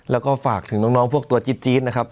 แล้วก็ฝากถึงน้องพวกตัวจี๊ดนะครับ